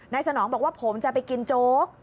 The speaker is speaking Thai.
สนองบอกว่าผมจะไปกินโจ๊ก